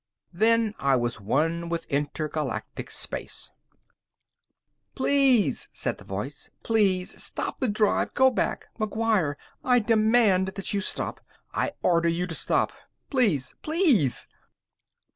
Then I was as one with intergalactic space. Please! said the voice. Please! Stop the drive! Go back! McGuire! I demand that you stop! I order _you to stop! Please! PLEASE!